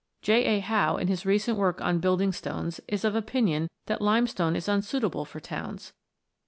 J. A. Howe, in his recent work on building stones, is of opinion that limestone is unsuitable for towns.